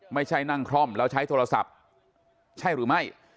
ไม่ใช่นั่งคล่อมแล้วใช้โทรศัพท์ใช่หรือไม่